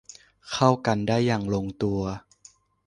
เข้ากันได้อย่างลงตัว